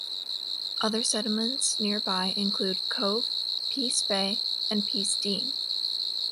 Other settlements nearby include Cove, Pease Bay, and Pease Dean.